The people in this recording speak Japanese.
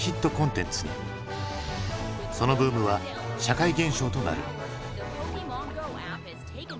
そのブームは社会現象となる。